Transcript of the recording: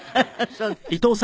そうですか。